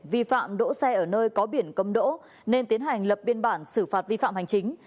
vi phạm đỗ xe ở nơi có biển cấm đỗ nên tiến hành lập biên bản xử phạt vi phạm hành chính